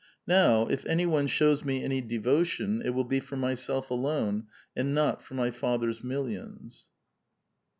" Now if any one shows me any devotion, it will be for myself alone, and not for my father's millions."